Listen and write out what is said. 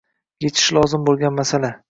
— yechish lozim bo‘lgan masala